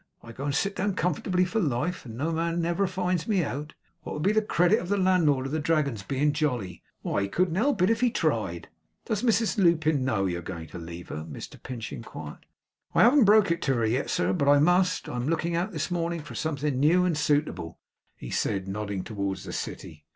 I go and sit down comfortably for life, and no man never finds me out. What would be the credit of the landlord of the Dragon's being jolly? Why, he couldn't help it, if he tried.' 'Does Mrs Lupin know you are going to leave her?' Mr Pinch inquired. 'I haven't broke it to her yet, sir, but I must. I'm looking out this morning for something new and suitable,' he said, nodding towards the city.